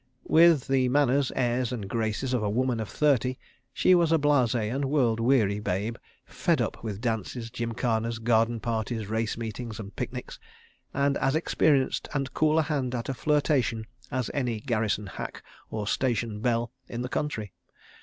With the manners, airs, and graces of a woman of thirty, she was a blasé and world weary babe—"fed up" with dances, gymkhanas, garden parties, race meetings and picnics; and as experienced and cool a hand at a flirtation as any garrison hack or station belle in the country.